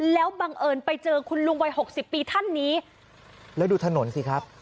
แล้วบังเอิญไปเจอคุณลุงวัยหกสิบปีท่านนี้แล้วดูถนนสิครับ